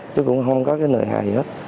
chứ cũng không có cái nợ hại gì hết